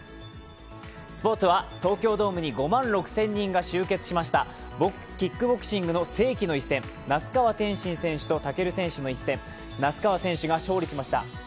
スポーツは東京ドームに５万６０００人が集結しましたキックボクシングの世紀の一戦、那須川天心選手と武選手の一戦、那須川選手が勝利しました。